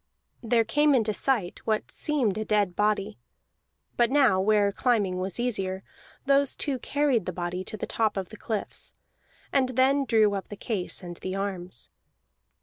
There came into sight what seemed a dead body; but now, where climbing was easier, those two carried the body to the top of the cliffs, and then drew up the case and the arms.